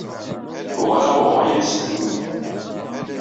Uɣaleɣ uɣeɣ yid-s tannumi.